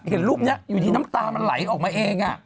เห็นรูปนี้อยู่ดีน้ำตามันไหลออกมาเอง